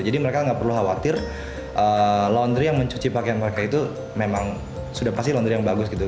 jadi mereka nggak perlu khawatir laundry yang mencuci pakaian mereka itu memang sudah pasti laundry yang bagus gitu